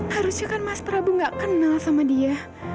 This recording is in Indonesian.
harusnya kan mas prabu gak kenal sama dia